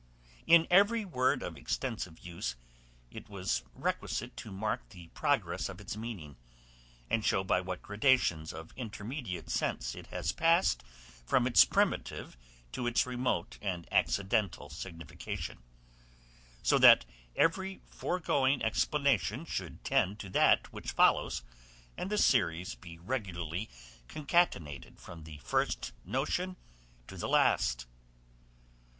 In every word of extensive use, it was requisite to mark the progress of its meaning, and show by what gradations of intermediate sense it has passed from its primitive to its remote and accidental signification; so that every foregoing explanation should tend to that which follows, and the series be regularly concatenated from the first notion to the last.